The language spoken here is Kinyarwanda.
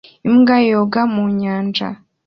Imbwa yoga mu nyanja